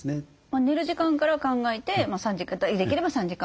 寝る時間から考えてできれば３時間前？